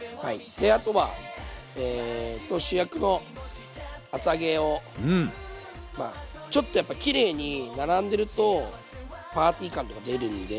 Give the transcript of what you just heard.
であとは主役の厚揚げをまあちょっとやっぱきれいに並んでるとパーティー感とか出るんで。